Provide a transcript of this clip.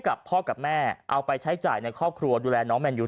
กับพ่อกับแม่เอาไปใช้จ่ายในครอบครัวดูแลน้องแมนยู